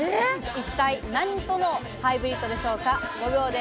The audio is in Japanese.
一体何とのハイブリッドでしょうか？